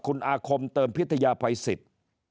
คุณอาคมเติมพิทยาภัยสิทธิ์